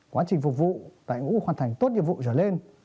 quá trình phục vụ đội ngũ hoàn thành tốt nhiệm vụ trở lên